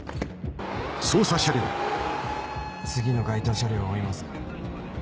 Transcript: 次の該当車両を追います。